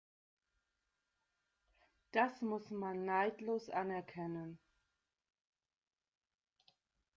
Das muss man neidlos anerkennen.